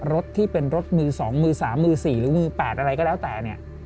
รถที่เป็นรถมือ๒มือ๓มือ๔หรือมือ๘อะไรก็แล้วแต่เนี่ย